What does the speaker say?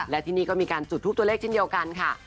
และที่นี่ก็มีการจุดทูปตัวเลขเช่นเดียวกันค่ะ